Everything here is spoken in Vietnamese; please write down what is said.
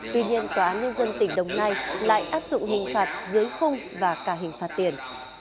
tuy nhiên tòa án nhân dân tỉnh đồng nai lại áp dụng hình phạt dưới khung và cả hình phạt tiền